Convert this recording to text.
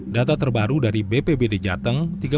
data terbaru dari bpbd jateng